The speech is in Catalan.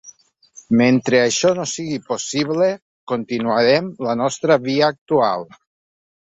Mentre això no sigui possible, continuarem la nostra via actual.